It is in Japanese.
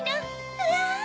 うわ！